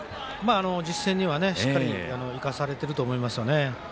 実戦には、しっかり生かされてると思いますね。